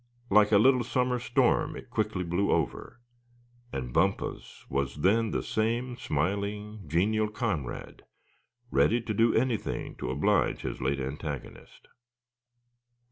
Like a little summer storm it quickly blew over; and Bumpus was then the same smiling, genial comrade, ready to do anything to oblige his late antagonist.